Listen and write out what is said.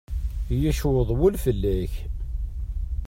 Yecweḍ wul fell-ak.